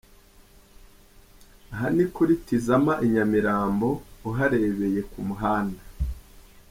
Aha ni kuri Tizama i Nyamirambo uharebeye ku muhanda.